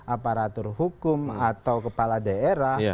aparatur hukum atau kepala daerah